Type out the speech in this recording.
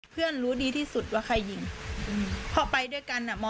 เพราะว่าเขาเป็นเด็กทะเลาะให้เราเห็นด้วยใช่ไหม